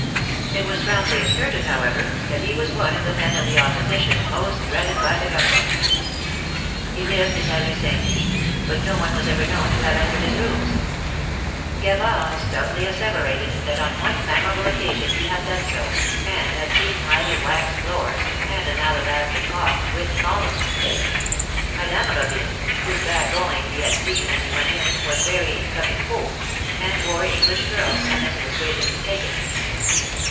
It was roundly asserted, however, that he was one of the men of the Opposition most dreaded by the government. He lived in la Rue St. Denis, but no one was ever known to have entered his rooms. Gavard stoutly asseverated that on one memorable occasion he had done so, and had seen 134 THE MARKETS OF PARIS. highly waxed floors, and an alabaster clock, with columns. Madame Robine, whose back only he had seen as he went in, was very comme il faut,^ and wore English curls, unless he was greatly mistaken.